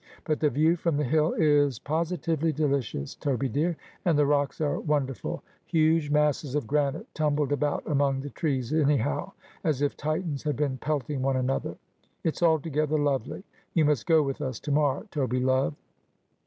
But the view from the hill is positively delicious, Toby dear, and the rocks are wonder ful ; huge masses of granite tumbled about among the trees any how, as if Titans had been pelting one another. It's altogether lovely. You must go with us to morrow, Toby love.'